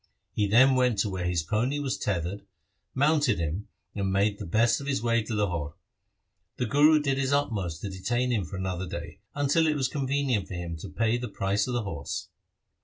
He then went to where his pony was tethered, mounted him, and made the best of his way to Lahore. The Guru did his utmost to detain him for another day, until it was convenient for him to pay the price of the horse.